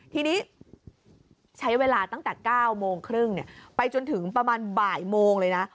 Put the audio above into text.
ทีนี้ใช้เวลาตั้งแต่๙โมงครึ่งไปจนถึงประมาณบ่ายโมงเลยนะ